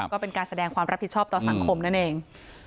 ก็เป็นการแสดงความรับผิดชอบต่อสังคมนั่นเอง